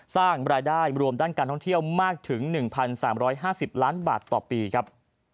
สร้างรายได้รวมด้านการท่องเที่ยวมากถึง๑๓๕๐ล้านบาทต่อปีครับ